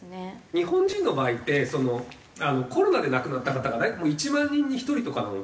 日本人の場合ってコロナで亡くなった方が１万人に１人とかなので。